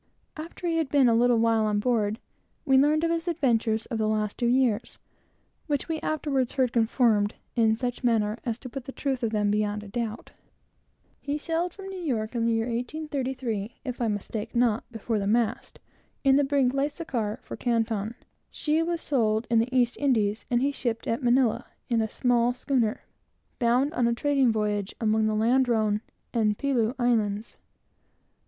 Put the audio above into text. After he had been a little while on board, we learned from him his remarkable history, for the last two years, which we afterwards heard confirmed in such a manner, as put the truth of it beyond a doubt. He sailed from New York in the year 1833, if I mistake not, before the mast, in the brig Lascar, for Canton. She was sold in the East Indies, and he shipped at Manilla, in a small schooner, bound on a trading voyage among the Ladrone and Pelew Islands.